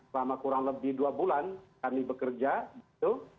selama kurang lebih dua bulan kami bekerja gitu